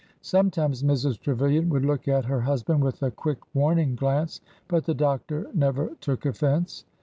Sometimes Mrs. Trevilian would look at her hus band with a quick, warning glance, but the doctor never took offense.